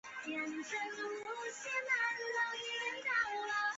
安康圣母朝圣地是意大利拉斯佩齐亚省里奥马焦雷的一座罗马天主教教堂。